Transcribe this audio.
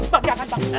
pak jangan pak